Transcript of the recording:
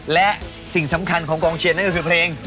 และสิ่งสำคัญของกองเชียร์นั่นก็คือเพลง